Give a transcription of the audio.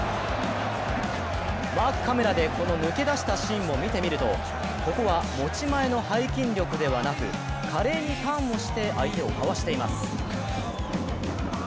マークカメラでこの抜け出したシーンを見てみるとここは持ち前の背筋力ではなく華麗にターンをして相手をかわしています。